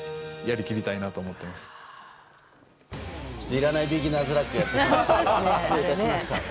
いらないビギナーズラックをやってしまって失礼いたしました。